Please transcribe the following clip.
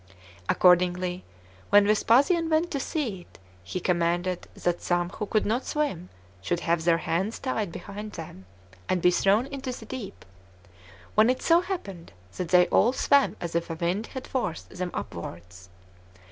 Accordingly, when Vespasian went to see it, he commanded that some who could not swim should have their hands tied behind them, and be thrown into the deep, when it so happened that they all swam as if a wind had forced them upwards.